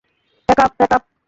Pack up, - pack up?